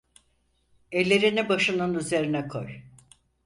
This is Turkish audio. Ellerini başının üzerine koy!